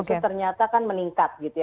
itu ternyata kan meningkat gitu ya